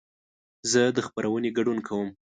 زه د خپرونې ګډون کوم.